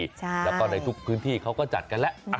แล้วก็ในทุกพื้นที่เขาก็จัดกันแล้ว